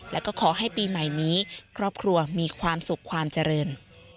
และก็ขอให้ปีใหม่นี้ครอบครัวมีความสุขความเจริญ